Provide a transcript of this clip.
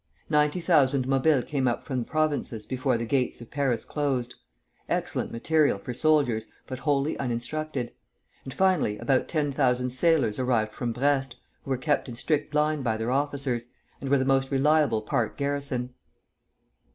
Ninety thousand Mobiles came up from the Provinces before the gates of Paris closed, excellent material for soldiers but wholly uninstructed, and finally about ten thousand sailors arrived from Brest, who were kept in strict line by their officers, and were the most reliable part garrison.